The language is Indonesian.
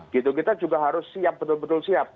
gitu kita juga harus siap betul betul siap